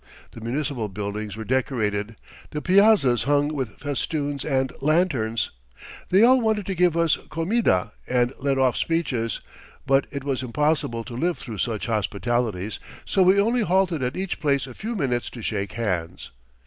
The municipal buildings were decorated, the piazzas hung with festoons and lanterns. They all wanted to give us comida and let off speeches, but it was impossible to live through such hospitalities, so we only halted at each place a few minutes to shake hands.